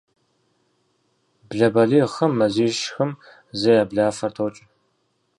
Блэ балигъхэм мазищ-хым зэ я блафэр токӏ.